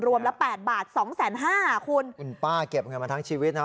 ละแปดบาทสองแสนห้าคุณคุณป้าเก็บเงินมาทั้งชีวิตนะ